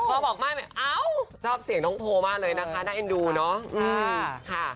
บอกไม่เอ้าชอบเสียงน้องโพลมากเลยนะคะน่าเอ็นดูเนาะ